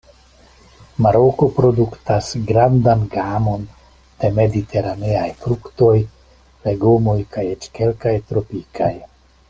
Maroko produktas grandan gamon de mediteraneaj fruktoj, legomoj kaj eĉ kelkaj tropikaj.